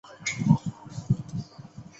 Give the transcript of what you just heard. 还剩下十分钟